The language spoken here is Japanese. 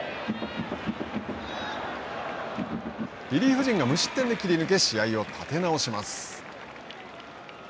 リリーフ陣が無失点で切り抜け試合を立て直します。